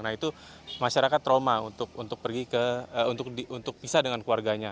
nah itu masyarakat trauma untuk pergi untuk pisah dengan keluarganya